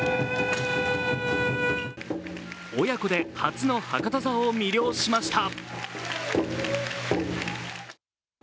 親子で初の博多座を魅了しました。